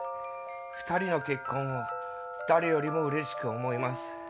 ２人の結婚を誰よりもうれしく思います。